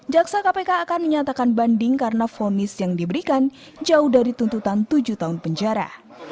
jaksa kpk akan menyatakan banding karena fonis yang diberikan jauh dari tuntutan tujuh tahun penjara